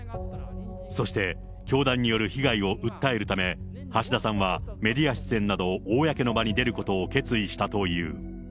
そして、教団による被害を訴えるため、橋田さんはメディア出演など、公の場に出ることを決意したという。